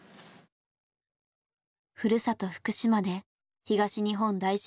ふるさと福島で東日本大震災を経験。